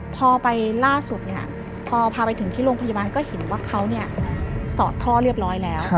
พอไปล่าสุดพอพาไปถึงที่โรงพยาบาลก็เห็นว่าเขาสอดท่อเรียบร้อยแล้ว